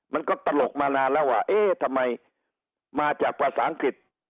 มันก็ตลกมานานแล้วว่าเอ๊ะทำไมมาจากภาษาอังกฤษ